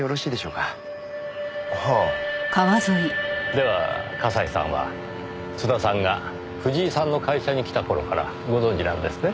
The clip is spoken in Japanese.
では葛西さんは津田さんが藤井さんの会社に来た頃からご存じなんですね？